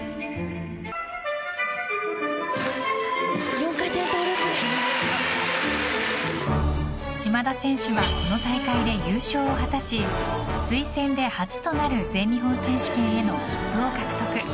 ４回転トゥループ島田選手はこの大会で優勝を果たし推薦で初となる全日本選手権への切符を獲得。